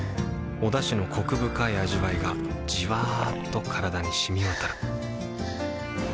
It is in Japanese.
おだしのコク深い味わいがじわっと体に染み渡るはぁ。